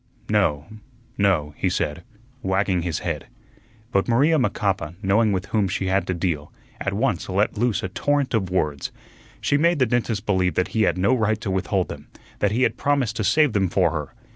"No, no," he said, wagging his head. But Maria Macapa, knowing with whom she had to deal, at once let loose a torrent of words. She made the dentist believe that he had no right to withhold them, that he had promised to save them for her.